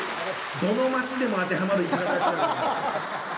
どの街でも当てはまる。